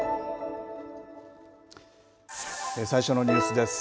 最初のニュースです。